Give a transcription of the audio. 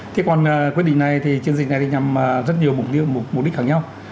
thế còn quyết định này thì chiến dịch này nhằm rất nhiều mục đích khác nhau